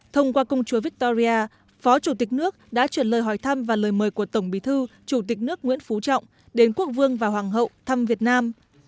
thông qua công chúa victoria phó chủ tịch nước đã chuyển lời hỏi thăm và lời mời của tổng bí thư chủ tịch nước nguyễn phú trọng đến quốc vương và hoàng hậu thăm việt nam